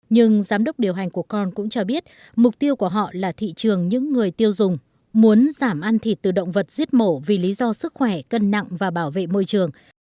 nhưng giám đốc điều hành của con cũng cho biết mục tiêu của họ là thị trường những người tiêu dùng muốn giảm ăn thịt từ động vật giết mổ vì lý do sức khỏe cân nặng và bảo vệ môi trường